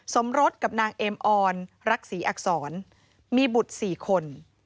สมรสกับนางเอ็มออนรักษีอักษรมีบุตร๔คน